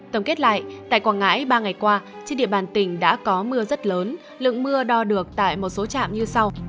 tổng kết lại tại quảng ngãi ba ngày qua trên địa bàn tỉnh đã có mưa rất lớn lượng mưa đo được tại một số trạm như sau